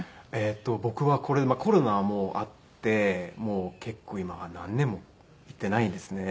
僕はコロナもあってもう結構今は何年も行ってないですね。